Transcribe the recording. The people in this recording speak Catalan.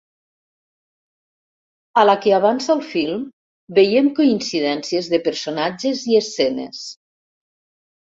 A la que avança el film, veiem coincidències de personatges i escenes.